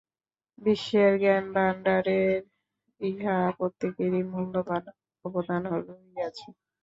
বিশ্বের জ্ঞান-ভাণ্ডারে ইহাদের প্রত্যেকেরই মূল্যবান অবদান রহিয়াছে।